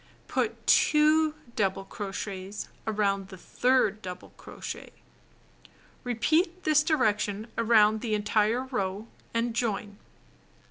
Put 2 double crochets around the third double crochet. Repeat this direction around the entire row, and join.